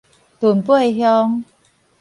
崙背鄉